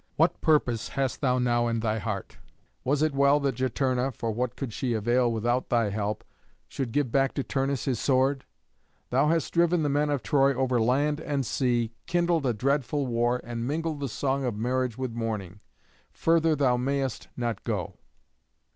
What purpose hast thou now in thy heart? Was it well that Juturna for what could she avail without thy help? should give back to Turnus his sword? Thou hast driven the men of Troy over land and sea, and kindled a dreadful war, and mingled the song of marriage with mourning. Further thou mayest not go."